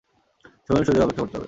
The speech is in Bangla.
সময় এবং সুযোগের অপেক্ষা করতে হবে।